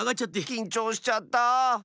きんちょうしちゃったあ。